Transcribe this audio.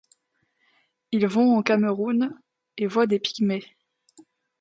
Ils vont au Cameroun et voient des pygmées.